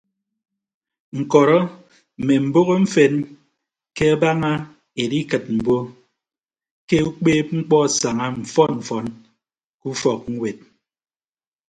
Ñkọrọ mme mboho mfen ke abaña edikịt mbo ke ukpeepmkpọ asaña mfọn mfọn ke ufọkñwet.